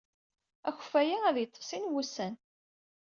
Akeffay-a ad yeḍḍef sin wussan.